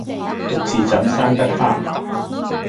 獨自怎生得黑！